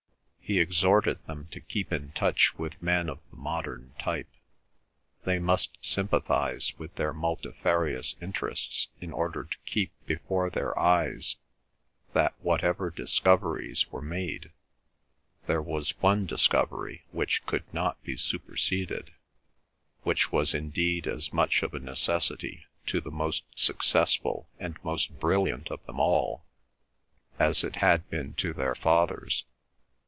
He exhorted them to keep in touch with men of the modern type; they must sympathise with their multifarious interests in order to keep before their eyes that whatever discoveries were made there was one discovery which could not be superseded, which was indeed as much of a necessity to the most successful and most brilliant of them all as it had been to their fathers.